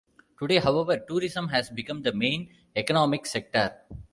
Today, however, tourism has become the main economic sector.